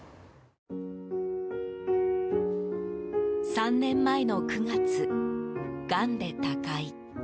３年前の９月、がんで他界。